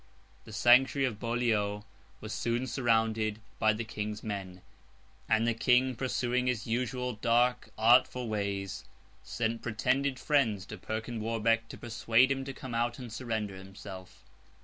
The sanctuary at Beaulieu was soon surrounded by the King's men; and the King, pursuing his usual dark, artful ways, sent pretended friends to Perkin Warbeck to persuade him to come out and surrender himself.